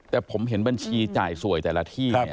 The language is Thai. แต่ผมเห็นบัญชีจ่ายสวยแต่ละที่เนี่ย